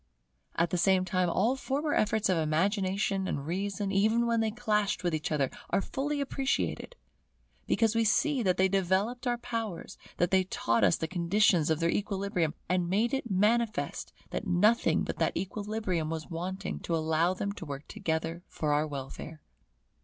At the same time all former efforts of Imagination and Reason, even when they clashed with each other, are fully appreciated; because we see that they developed our powers, that they taught us the conditions of their equilibrium, and made it manifest that nothing but that equilibrium was wanting to allow them to work together for our welfare.